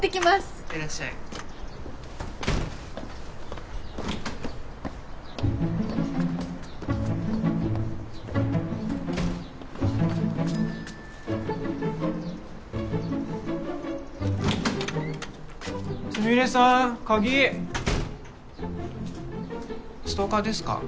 行ってらっしゃいスミレさん鍵ストーカーですか？